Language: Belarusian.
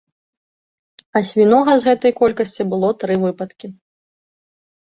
А свінога з гэтай колькасці было тры выпадкі.